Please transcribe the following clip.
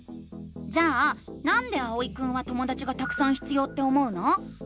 じゃあ「なんで」あおいくんはともだちがたくさん必要って思うの？